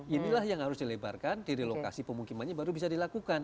inilah yang harus dilebarkan dari lokasi pemungkimannya baru bisa dilakukan